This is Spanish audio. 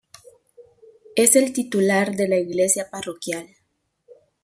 Es el titular de la iglesia parroquial.